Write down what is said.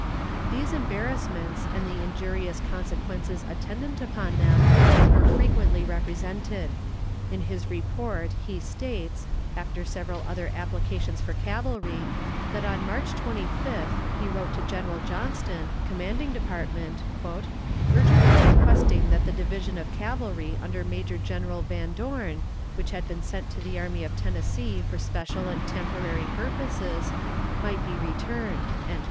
These embarrassments and the injurious consequences attendant upon them were frequently represented. In his report he states, after several other applications for cavalry, that on March 25th he wrote to General Johnston, commanding department, "urgently requesting that the division of cavalry under Major General Van Dorn, which had been sent to the Army of Tennessee for special and temporary purposes, might be returned."